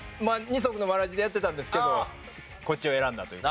二足のわらじでやってたんですけどこっちを選んだという。